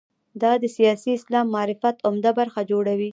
دا د سیاسي اسلام معرفت عمده برخه جوړوي.